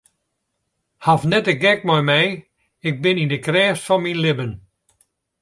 Haw net de gek mei my, ik bin yn de krêft fan myn libben.